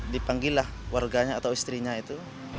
dipanggillah warganya atau istrinya itu